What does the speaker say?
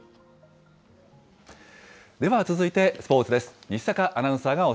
では続いて、スポーツです。